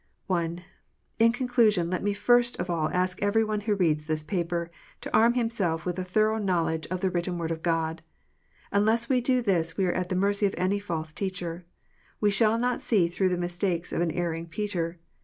(1) In conclusion, let me first of all ask every one who reads this paper, to arm himself with a thorough knowledge of the written Word of God. Unless we do this we are at the mercy of any false teacher. We shall not see through the mistakes of an erring Peter.